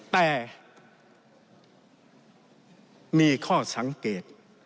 แต่มีข้อสังเกต